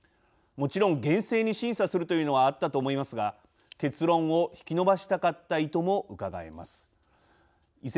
もちろん厳正に審査するというのはあったと思いますが結論を引き延ばしたかった意図もうかがえます。